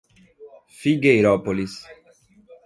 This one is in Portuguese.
Figueirópolis